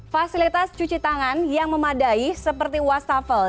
fasilitas cuci tangan yang memadai seperti wastafel